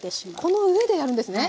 この上でやるんですね。